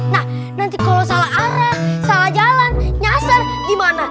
nah nanti kalau salah aren salah jalan nyasar gimana